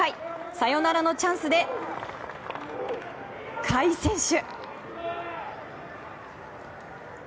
サヨナラのチャンスで甲斐選手。